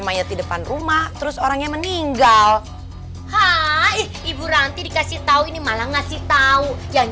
mayat di depan rumah terus orangnya meninggal hai ibu ranti dikasih tahu ini malah ngasih tahu yang